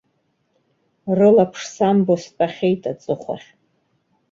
Рылаԥш самбо стәахьеит аҵыхәахь.